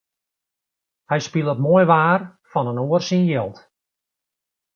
Hy spilet moai waar fan in oar syn jild.